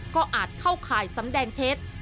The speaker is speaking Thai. ก็อาจเข้าข่ายสำแดงเท็จ